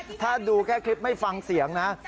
ถ้าดูแค่คลิปไม่ฟังเสียงนะ